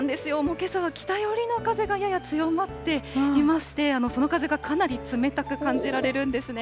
けさは北寄りの風がやや強まっていまして、その風がかなり冷たく感じられるんですね。